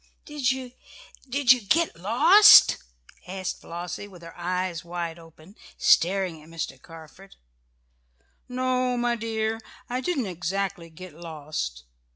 "Did you did you get lost?" asked Flossie, with her eyes wide open, staring at Mr. Carford. "No, my dear, I didn't exactly get lost.